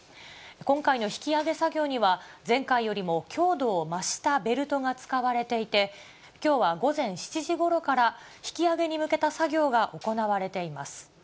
今回の引き揚げ作業には、前回よりも強度を増したベルトが使われていて、きょうは午前７時ごろから引き揚げに向けた作業が行われています。